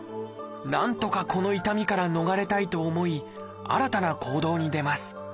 なんとかこの痛みから逃れたいと思い新たな行動に出ます。